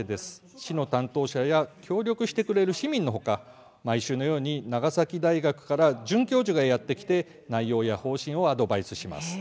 市の担当者や協力してくれる市民のほか毎週のように長崎大学から准教授がやって来て内容や方針をアドバイスします。